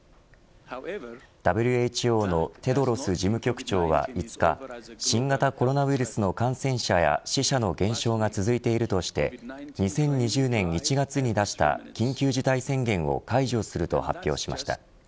ＷＨＯのテドロス事務局長は５日新型コロナウイルスの感染者や死者の減少が続いているとして２０２０年１月に出した緊急事態宣言を解除すると発表しました。